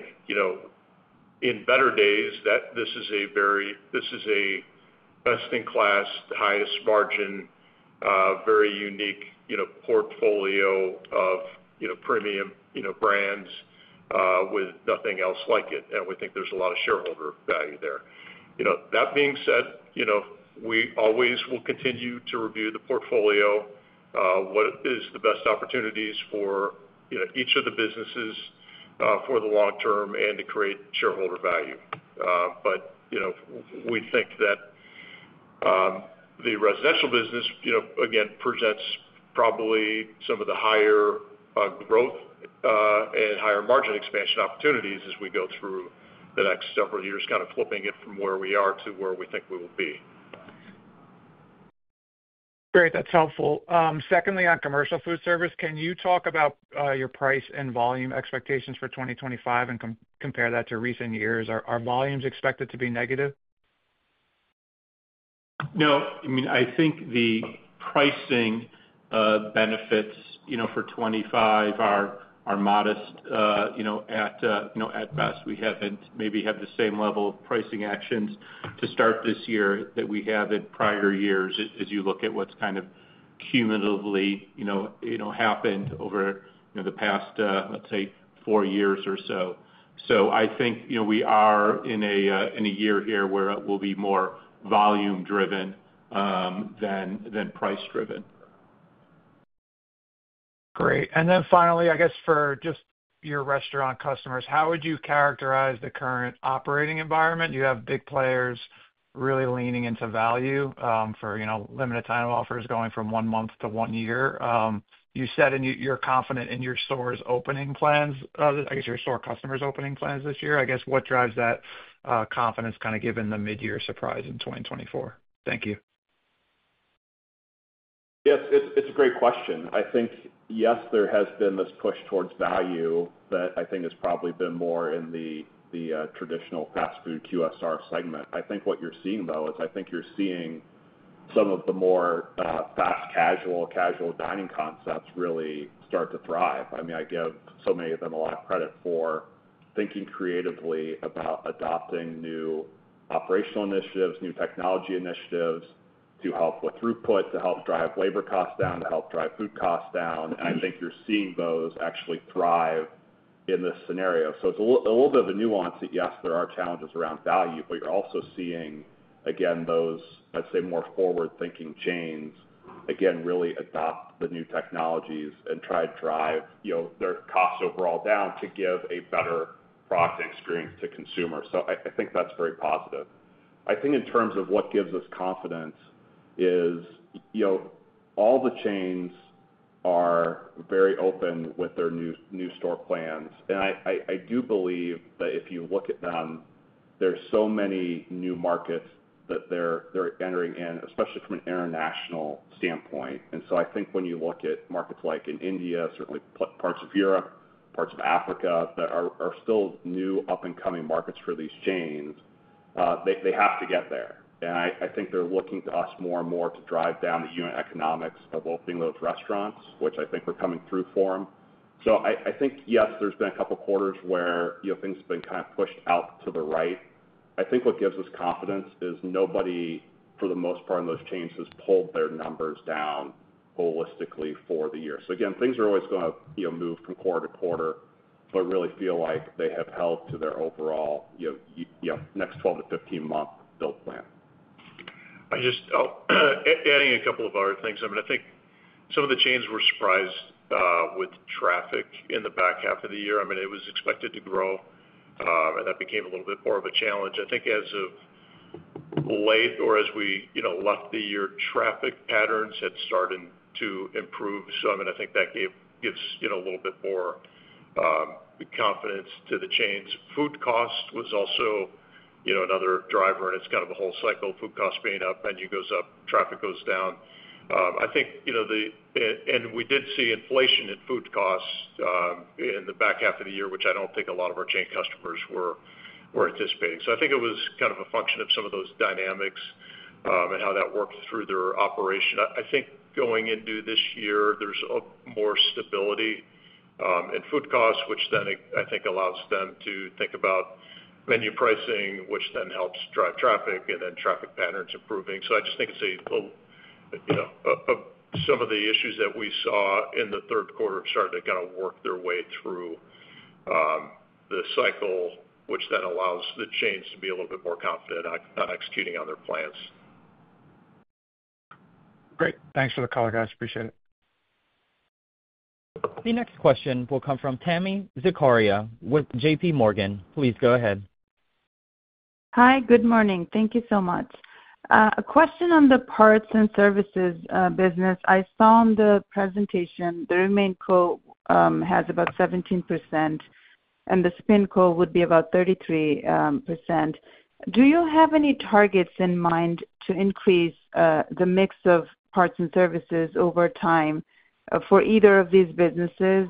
Speaker 2: in better days that this is a best-in-class, highest margin, very unique portfolio of premium brands with nothing else like it. And we think there's a lot of shareholder value there. That being said, we always will continue to review the portfolio, what is the best opportunities for each of the businesses for the long term and to create shareholder value. But we think that the residential business, again, presents probably some of the higher growth and higher margin expansion opportunities as we go through the next several years, kind of flipping it from where we are to where we think we will be.
Speaker 6: Great. That's helpful. Secondly, on commercial food service, can you talk about your price and volume expectations for 2025 and compare that to recent years? Are volumes expected to be negative?
Speaker 3: No. I mean, I think the pricing benefits for 2025 are modest. At best, we haven't maybe had the same level of pricing actions to start this year that we have in prior years as you look at what's kind of cumulatively happened over the past, let's say, four years or so. So I think we are in a year here where it will be more volume-driven than price-driven.
Speaker 10: Great. And then finally, I guess for just your restaurant customers, how would you characterize the current operating environment? You have big players really leaning into value for limited time offers going from one month to one year. You said you're confident in your store's opening plans, I guess your store customers' opening plans this year. I guess what drives that confidence kind of given the mid-year surprise in 2024? Thank you.
Speaker 8: Yes. It's a great question. I think, yes, there has been this push towards value that I think has probably been more in the traditional fast food QSR segment. I think what you're seeing, though, is I think you're seeing some of the more fast casual, casual dining concepts really start to thrive. I mean, I give so many of them a lot of credit for thinking creatively about adopting new operational initiatives, new technology initiatives to help with throughput, to help drive labor costs down, to help drive food costs down, and I think you're seeing those actually thrive in this scenario. So it's a little bit of a nuance that, yes, there are challenges around value, but you're also seeing, again, those, I'd say, more forward-thinking chains again really adopt the new technologies and try to drive their costs overall down to give a better product experience to consumers. So I think that's very positive. I think in terms of what gives us confidence is all the chains are very open with their new store plans. And I do believe that if you look at them, there's so many new markets that they're entering in, especially from an international standpoint. And so I think when you look at markets like in India, certainly parts of Europe, parts of Africa that are still new up-and-coming markets for these chains, they have to get there. I think they're looking to us more and more to drive down the unit economics of opening those restaurants, which I think we're coming through for them. So I think, yes, there's been a couple of quarters where things have been kind of pushed out to the right. I think what gives us confidence is nobody, for the most part, in those chains has pulled their numbers down holistically for the year. So again, things are always going to move from quarter to quarter, but really feel like they have held to their overall next 12- to 15-month build plan.
Speaker 2: I'm just adding a couple of other things. I mean, I think some of the chains were surprised with traffic in the back half of the year. I mean, it was expected to grow, and that became a little bit more of a challenge. I think as of late or as we left the year, traffic patterns had started to improve. So I mean, I think that gives a little bit more confidence to the chains. Food cost was also another driver, and it's kind of a whole cycle. Food costs being up, menu goes up, traffic goes down. I think, and we did see inflation in food costs in the back half of the year, which I don't think a lot of our chain customers were anticipating. So I think it was kind of a function of some of those dynamics and how that worked through their operation. I think going into this year, there's more stability in food costs, which then I think allows them to think about menu pricing, which then helps drive traffic and then traffic patterns improving. So I just think it's some of the issues that we saw in the third quarter have started to kind of work their way through the cycle, which then allows the chains to be a little bit more confident on executing on their plans.
Speaker 10: Great. Thanks for the call, guys. Appreciate it.
Speaker 1: The next question will come from Tami Zakaria with JPMorgan. Please go ahead.
Speaker 11: Hi. Good morning. Thank you so much. A question on the parts and services business. I saw on the presentation the RemainCo has about 17%, and the spinCo would be about 33%. Do you have any targets in mind to increase the mix of parts and services over time for either of these businesses?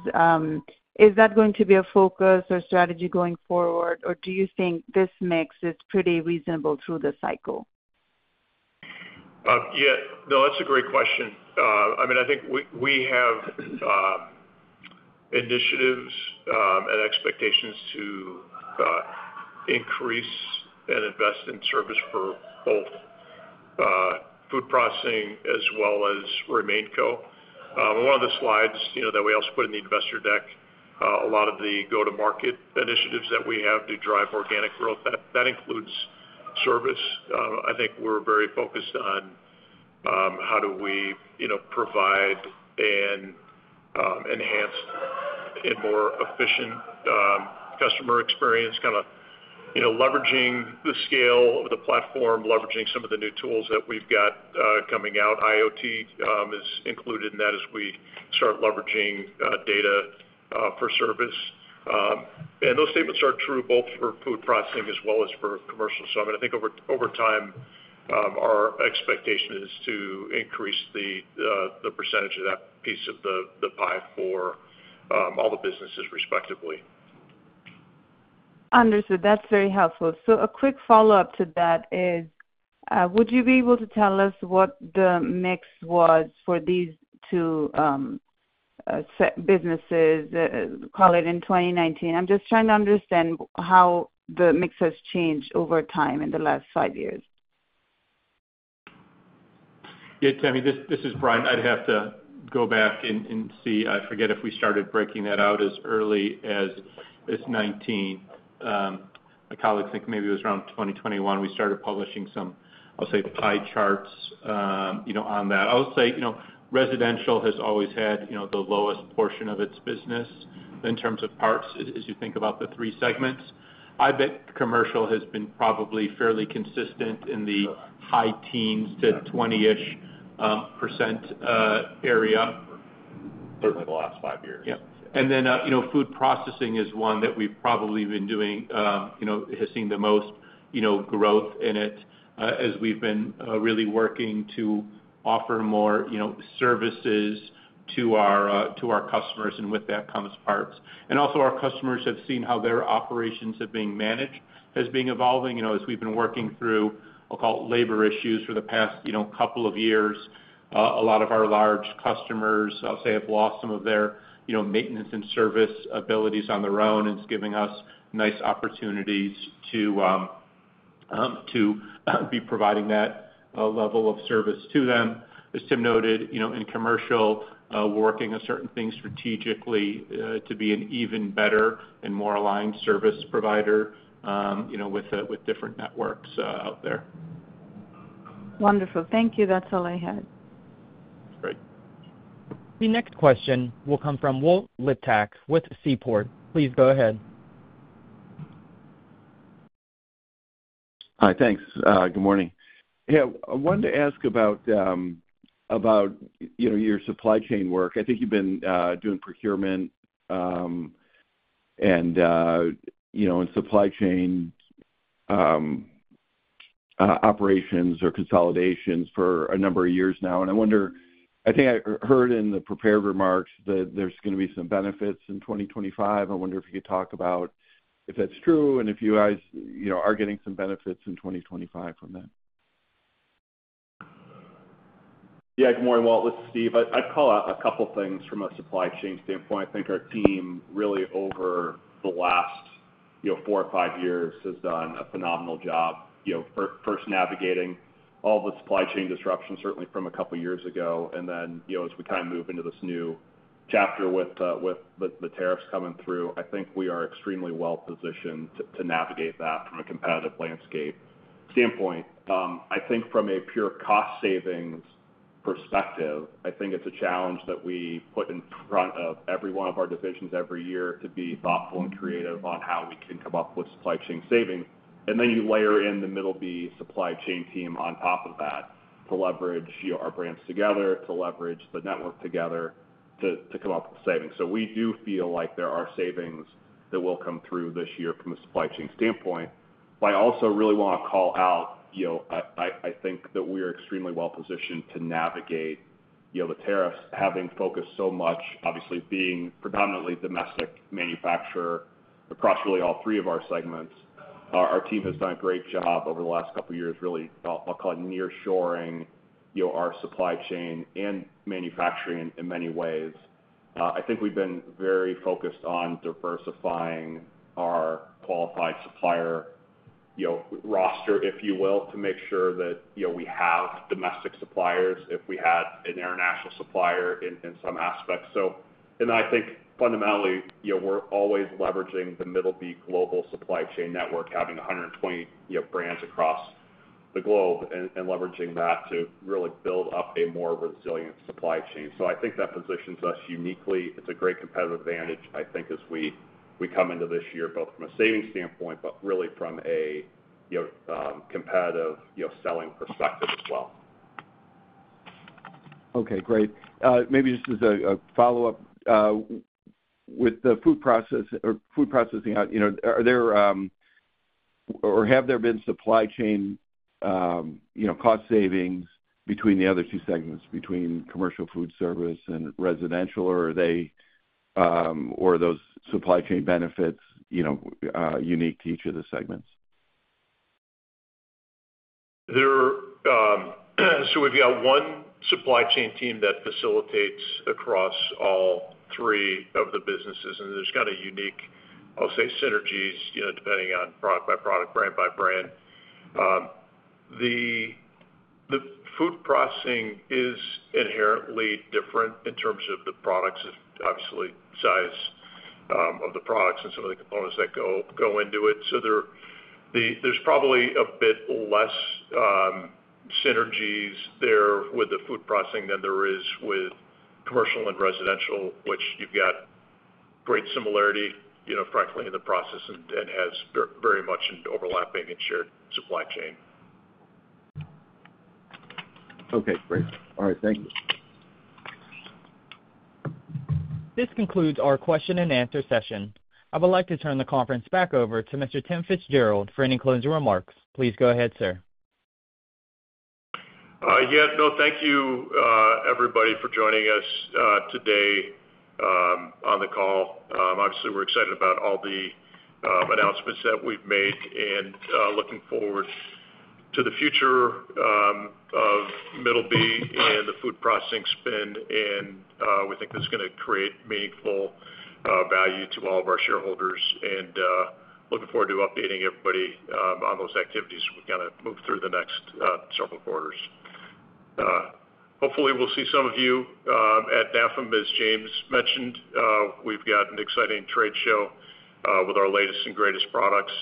Speaker 11: Is that going to be a focus or strategy going forward, or do you think this mix is pretty reasonable through the cycle?
Speaker 2: Yeah. No, that's a great question. I mean, I think we have initiatives and expectations to increase and invest in service for both food processing as well as remaining co. One of the slides that we also put in the investor deck, a lot of the go-to-market initiatives that we have to drive organic growth, that includes service. I think we're very focused on how do we provide an enhanced and more efficient customer experience, kind of leveraging the scale of the platform, leveraging some of the new tools that we've got coming out. IoT is included in that as we start leveraging data for service. And those statements are true both for food processing as well as for commercial. So I mean, I think over time, our expectation is to increase the percentage of that piece of the pie for all the businesses respectively.
Speaker 11: Understood. That's very helpful. So a quick follow-up to that is, would you be able to tell us what the mix was for these two businesses, call it in 2019? I'm just trying to understand how the mix has changed over time in the last five years.
Speaker 3: Yeah. Tami, this is Bryan. I'd have to go back and see. I forget if we started breaking that out as early as 2019. My colleagues think maybe it was around 2021 we started publishing some, I'll say, pie charts on that. I'll say residential has always had the lowest portion of its business in terms of parts as you think about the three segments. I bet commercial has been probably fairly consistent in the high teens to 20%-ish area.
Speaker 8: Certainly the last five years.
Speaker 3: Yeah. And then food processing is one that we've probably been doing, has seen the most growth in it as we've been really working to offer more services to our customers, and with that comes parts. And also our customers have seen how their operations have been managed as being evolving. As we've been working through, I'll call it labor issues for the past couple of years, a lot of our large customers, I'll say, have lost some of their maintenance and service abilities on their own, and it's giving us nice opportunities to be providing that level of service to them. As Tim noted, in commercial, we're working on certain things strategically to be an even better and more aligned service provider with different networks out there.
Speaker 11: Wonderful. Thank you. That's all I had.
Speaker 8: Great.
Speaker 1: The next question will come from Walt Liptak with Seaport. Please go ahead.
Speaker 12: Hi. Thanks. Good morning. Yeah. I wanted to ask about your supply chain work. I think you've been doing procurement and supply chain operations or consolidations for a number of years now. And I think I heard in the prepared remarks that there's going to be some benefits in 2025. I wonder if you could talk about if that's true and if you guys are getting some benefits in 2025 from that.
Speaker 8: Yeah. Good morning, Walt. This is Steve. I'd call out a couple of things from a supply chain standpoint. I think our team really over the last four or five years has done a phenomenal job first navigating all the supply chain disruption, certainly from a couple of years ago. And then as we kind of move into this new chapter with the tariffs coming through, I think we are extremely well-positioned to navigate that from a competitive landscape standpoint. I think from a pure cost-savings perspective, I think it's a challenge that we put in front of every one of our divisions every year to be thoughtful and creative on how we can come up with supply chain savings. And then you layer in the Middleby supply chain team on top of that to leverage our brands together, to leverage the network together to come up with savings. So we do feel like there are savings that will come through this year from a supply chain standpoint. But I also really want to call out, I think that we are extremely well-positioned to navigate the tariffs, having focused so much, obviously, being predominantly domestic manufacturer across really all three of our segments. Our team has done a great job over the last couple of years, really. I'll call it nearshoring our supply chain and manufacturing in many ways. I think we've been very focused on diversifying our qualified supplier roster, if you will, to make sure that we have domestic suppliers if we had an international supplier in some aspect. And I think fundamentally, we're always leveraging the Middleby Global Supply Chain Network, having 120 brands across the globe and leveraging that to really build up a more resilient supply chain. So I think that positions us uniquely. It's a great competitive advantage, I think, as we come into this year, both from a savings standpoint, but really from a competitive selling perspective as well.
Speaker 12: Okay. Great. Maybe this is a follow-up. With the food processing out, are there or have there been supply chain cost savings between the other two segments, between commercial food service and residential, or are those supply chain benefits unique to each of the segments?
Speaker 8: So we've got one supply chain team that facilitates across all three of the businesses, and there's kind of unique, I'll say, synergies depending on product by product, brand by brand. The food processing is inherently different in terms of the products, obviously, size of the products and some of the components that go into it. So there's probably a bit less synergies there with the food processing than there is with commercial and residential, which you've got great similarity, frankly, in the process and has very much in overlapping and shared supply chain.
Speaker 12: Okay. Great. All right. Thank you.
Speaker 1: This concludes our question and answer session. I would like to turn the conference back over to Mr. Tim FitzGerald for any closing remarks. Please go ahead, sir.
Speaker 2: Yeah. No, thank you, everybody, for joining us today on the call. Obviously, we're excited about all the announcements that we've made and looking forward to the future of Middleby and the food processing spin. And we think this is going to create meaningful value to all of our shareholders and looking forward to updating everybody on those activities as we kind of move through the next several quarters. Hopefully, we'll see some of you at NAFEM, as James mentioned. We've got an exciting trade show with our latest and greatest products.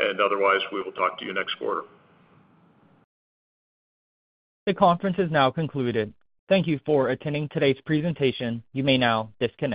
Speaker 2: And otherwise, we will talk to you next quarter.
Speaker 1: The conference is now concluded. Thank you for attending today's presentation. You may now disconnect.